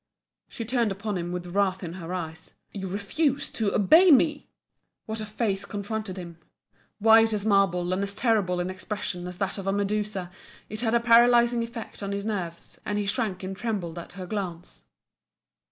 She turned upon him with wrath in her eyes. "You refuse to obey me?" What a face confronted him! White as marble, and as terrible in expression as that of a Medusa, it had a paralysing effect on his nerves, and he shrank and trembled at her glance.